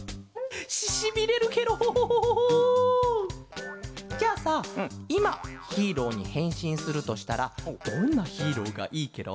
ししびれるケロ。じゃあさいまヒーローにへんしんするとしたらどんなヒーローがいいケロ？